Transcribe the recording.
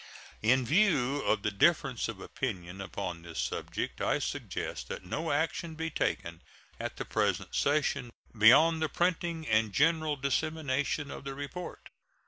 In view of the difference of opinion upon this subject, I suggest that no action be taken at the present session beyond the printing and general dissemination of the report.